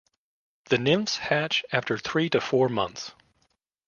The nymphs hatch after three to four months.